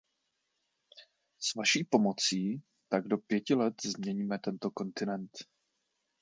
S vaší pomocí tak do pěti let změníme tento kontinent.